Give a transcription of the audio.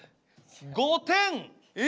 ５点え！